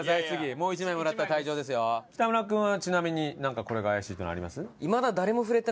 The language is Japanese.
北村君はちなみにこれが怪しいっていうのあります？